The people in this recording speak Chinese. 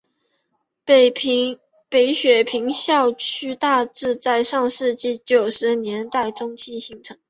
北雪平校区大致在上世纪九十年代中期形成。